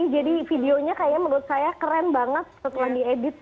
jadi videonya menurut saya keren banget setelah diedit